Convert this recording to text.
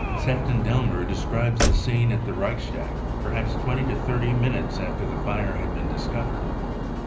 Sefton Delmer describes the scene at the Reichstag, perhaps twenty to thirty minutes after the fire had been I discovered.